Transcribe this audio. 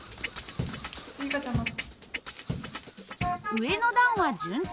上の段は順調。